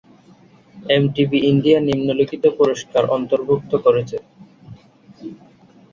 MTV India নিম্নলিখিত পুরস্কার অন্তর্ভুক্ত করেছে।